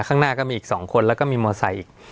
ข้างหน้าก็มีอีก๒คนแล้วก็มีมอไซค์อีก